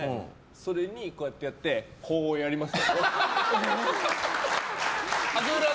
それに、こうやってやってこうやりますよね。